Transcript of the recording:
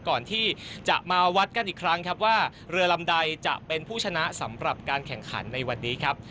ก่อนที่จะมาวัดกันอีกครั้งครับว่าเรือลำใดจะเป็นผู้ชนะสำหรับการแข่งขันในวันนี้ครับ